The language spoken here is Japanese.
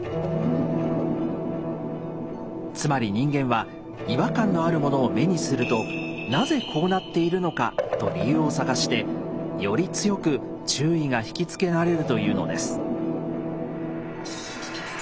つまり人間は違和感のあるものを目にすると「なぜこうなっているのか」と理由を探してより強く注意がひきつけられるというのです。